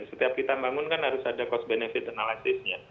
setiap kita bangun kan harus ada cost benefit analysisnya